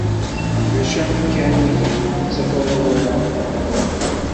Ulac amkan ideg ur nettaf ara awal-a: abadu